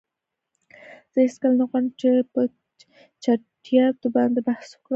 زه هیڅکله نه غواړم چې په چټییاتو باندی بحث وکړم.